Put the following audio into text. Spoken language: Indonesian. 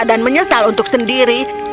dan menyesal untuk sendiri